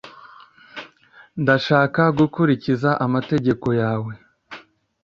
Ndashaka gukurikiza amategeko yawe